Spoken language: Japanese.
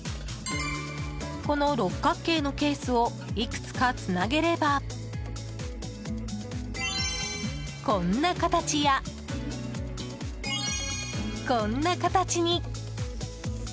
この六角形のケースをいくつかつなげればこんな形やこんな形に。